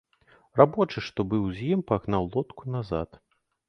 Рабочы, што быў з ім, пагнаў лодку назад.